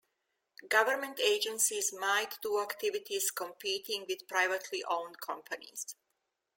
Government agencies might do activities competing with privately owned companies.